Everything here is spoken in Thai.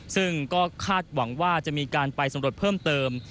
ซึ่งก็คาดหวังว่าจะมีการไปสำรวจเพิ่มเติม